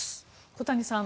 小谷さん